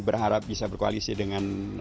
berharap bisa berkoalisi dengan